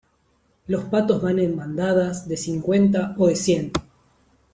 los patos van en bandadas de cincuenta o de cien